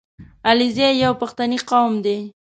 • علیزي یو پښتني قوم دی.